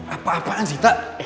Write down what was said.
apaan sih tak